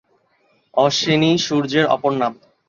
অশ্বিনী সূর্যের অপর নাম।